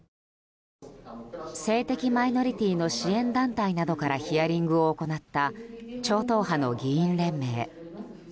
性的マイノリティーの支援団体などからヒアリングを行った超党派の議員連盟。